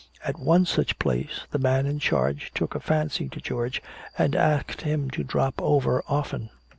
At one such place, the man in charge took a fancy to George and asked him to drop over often.